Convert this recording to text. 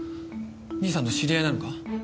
兄さんの知り合いなのか？